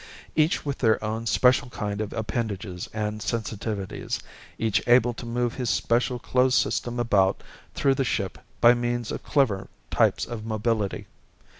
Each with their own special kind of appendages and sensitivities, each able to move his special closed system about through the ship by means of clever types of mobility.